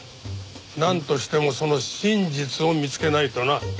なんとしてもその真実を見つけないとな。